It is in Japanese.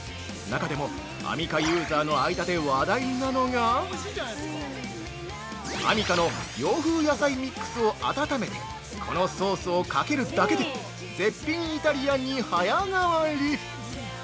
中でも、アミカユーザーの間で話題なのがアミカの「洋風野菜ミックス」を温めて、このソースをかけるだけで絶品イタリアンに早変わり！